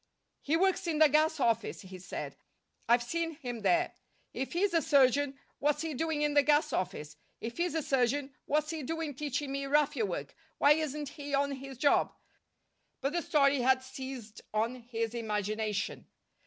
"He works in the gas office," he said, "I've seen him there. If he's a surgeon, what's he doing in the gas office. If he's a surgeon, what's he doing teaching me raffia work? Why isn't he on his job?" But the story had seized on his imagination.